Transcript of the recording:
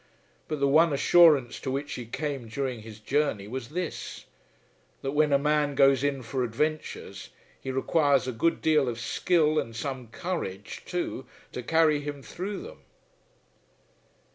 But the one assurance to which he came during his journey was this; that when a man goes in for adventures, he requires a good deal of skill and some courage too to carry him through them.